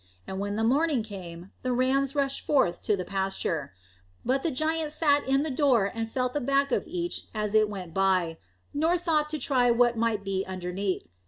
And when the morning came, the rams rushed forth to the pasture; but the giant sat in the door and felt the back of each as it went by, nor thought to try what might be underneath.